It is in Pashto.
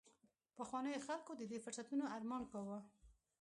پخوانیو خلکو د دې فرصتونو ارمان کاوه